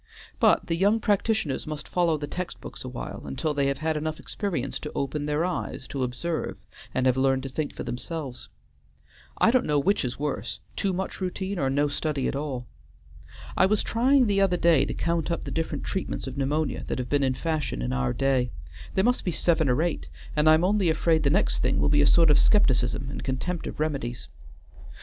But the young practitioners must follow the text books a while until they have had enough experience to open their eyes to observe and have learned to think for themselves. I don't know which is worse; too much routine or no study at all. I was trying the other day to count up the different treatments of pneumonia that have been in fashion in our day; there must be seven or eight, and I am only afraid the next thing will be a sort of skepticism and contempt of remedies. Dr.